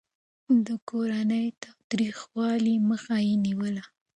د کورني تاوتريخوالي مخه يې نيوله.